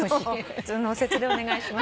普通の右折でお願いします。